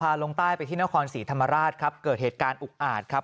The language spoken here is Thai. ลงใต้ไปที่นครศรีธรรมราชครับเกิดเหตุการณ์อุกอาจครับ